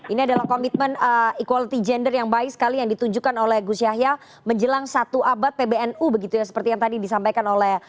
ini adalah komitmen equality gender yang baik sekali yang ditunjukkan oleh gus yahya menjelang satu abad pbnu begitu ya seperti yang tadi disampaikan oleh